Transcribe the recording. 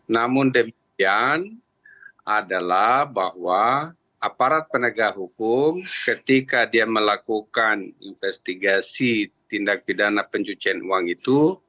namun demikian adalah bahwa aparat penegak hukum ketika dia melakukan investigasi tindak pidana pencucian uang itu